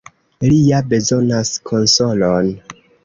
Li ja bezonas konsolon.